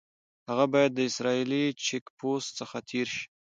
هغه باید د اسرائیلي چیک پوسټ څخه تېر شي.